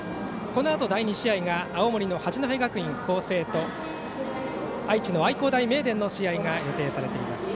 このあと、第２試合が青森の八戸学院光星と愛知の愛工大名電の試合が予定されています。